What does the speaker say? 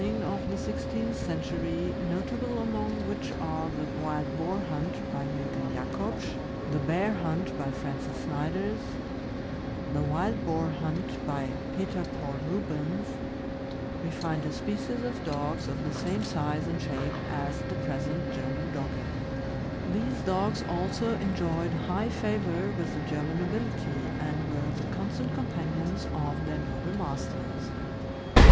ning of the sixteenth century, notable among which are the uWild Boar Hunt," by Jurgen Jacobsz; the "Bear Hunt," by Francis Snyders; the "Wild Boar Hunt," by Peter Paul Rubens, we find a species of dogs of the same size and shape as the present German Dogge. These dogs also enjoyed high favor with the German nobility, and were the constant companions of their noble masters.